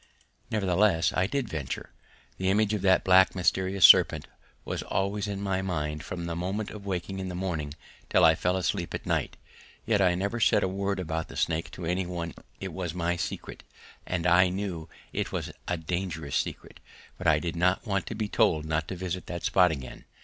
Nevertheless I did venture. The image of that black mysterious serpent was always in my mind from the moment of waking in the morning until I fell asleep at night. Yet I never said a word about the snake to any one: it was my secret, and I knew it was a dangerous secret, but I did not want to be told not to visit that spot again.